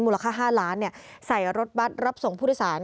มูลค่า๕ล้านใส่รถบัตรรับส่งผู้โดยสาร